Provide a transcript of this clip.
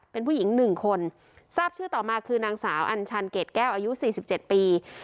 เป็นผู้หญิง๑คนทราบชื่อต่อมาคือนางสาวอัญชันเกรดแก้วอายุ๔๗ปี